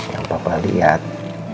yang bapak lihat